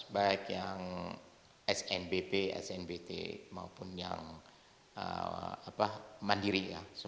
baik yang snbp snbt maupun yang mandiri